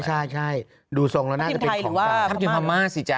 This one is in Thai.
ทับทิมไทยหรือว่าทับทิมฮามาส์สิจ๊ะ